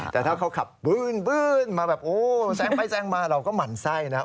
แต่ถ้าเขาขับบื้นมาแบบโอ้แซงไปแซงมาเราก็หมั่นไส้นะครับ